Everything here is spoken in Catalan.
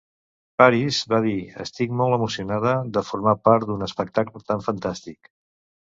Parisse va dir: "Estic molt emocionada de formar part d'un espectacle tan fantàstic".